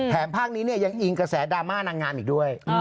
ภาคนี้เนี่ยยังอิงกระแสดราม่านางงามอีกด้วย